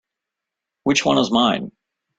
Which one is mine?